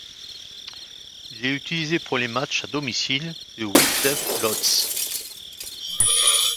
Il est utilisé pour les matches à domicile du Widzew Łódź.